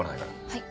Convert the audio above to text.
はい。